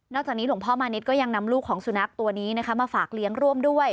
จากนี้หลวงพ่อมานิดก็ยังนำลูกของสุนัขตัวนี้มาฝากเลี้ยงร่วมด้วย